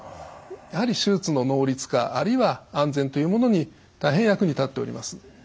やはり手術の能率化あるいは安全というものに大変役に立っております。